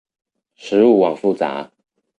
食物網複雜